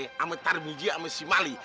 sama tarmija sama si mali